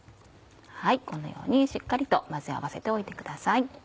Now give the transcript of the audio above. このようにしっかりと混ぜ合わせておいてください。